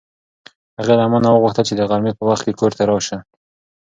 هغې له ما نه وغوښتل چې د غرمې په وخت کې کور ته راشه.